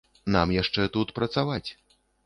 Нам яшчэ тут працаваць.